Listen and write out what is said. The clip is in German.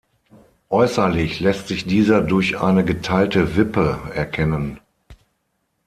Äußerlich lässt sich dieser durch eine geteilte Wippe erkennen.